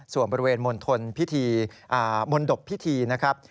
ส่วนบริเวณมณฑลพิธีมนตบพิธีนะครับ